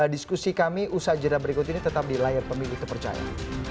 diskusi kami usaha jenah berikut ini tetap di layar pemilu terpercaya